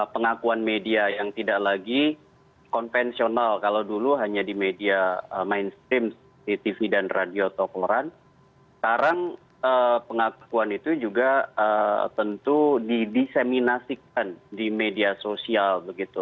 pengakuan media yang tidak lagi konvensional kalau dulu hanya di media mainstream di tv dan radio toko run sekarang pengakuan itu juga tentu didiseminasikan di media sosial begitu